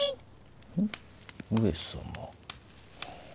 上様。